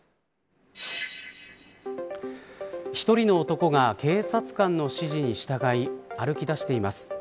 一人の男が警察官の指示に従い歩き出しています。